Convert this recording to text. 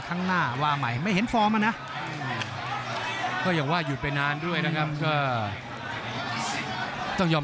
ต้องยอมรับสมบัติมากนะต้องยอมรับสมบัติมากนะ